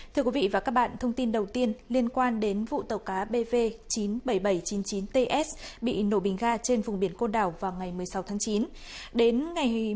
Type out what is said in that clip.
thưa quý vị và các bạn thông tin đầu tiên liên quan đến vụ tàu cá bv chín mươi bảy nghìn bảy trăm chín mươi chín ts bị nổ bình ga trên vùng biển côn đảo vào ngày một mươi sáu tháng chín